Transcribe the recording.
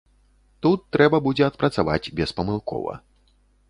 Тут трэба будзе адпрацаваць беспамылкова.